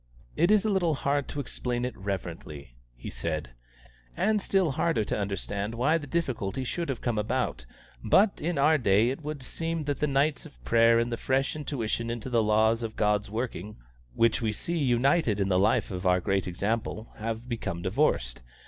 "It is a little hard to explain it reverently," he said, "and still harder to understand why the difficulty should have come about, but in our day it would seem that the nights of prayer and the fresh intuition into the laws of God's working, which we see united in the life of our great Example, have become divorced.